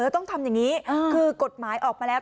ต้องทำอย่างนี้คือกฎหมายออกมาแล้ว